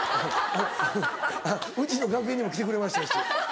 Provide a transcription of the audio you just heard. うちの楽屋にも来てくれましたし。